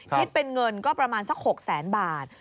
คิดเป็นเงินก็ประมาณสัก๖แสนบาท